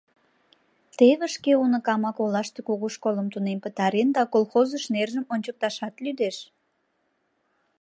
Теве шке уныкамак олаште кугу школым тунем пытарен да колхозыш нержым ончыкташат лӱдеш!